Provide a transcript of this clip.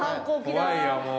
怖いよもう。